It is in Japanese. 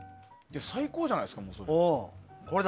最高じゃないですか、それ。